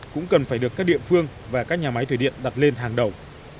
cũng cần phải được các địa phương và các nhà máy thủy điện đặt lên hàng đầu